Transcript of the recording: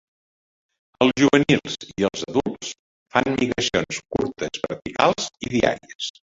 Els juvenils i els adults fan migracions curtes verticals i diàries.